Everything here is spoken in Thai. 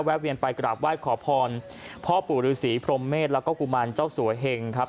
เวียนไปกราบไหว้ขอพรพ่อปู่ฤษีพรมเมษแล้วก็กุมารเจ้าสัวเหงครับ